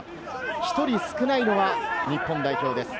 １人少ないのは日本代表です。